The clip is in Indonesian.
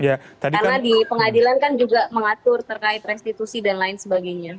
karena di pengadilan kan juga mengatur terkait restitusi dan lain sebagainya